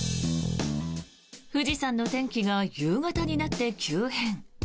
富士山の天気が夕方になって急変。